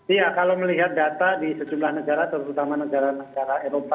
iya kalau melihat data di sejumlah negara terutama negara negara eropa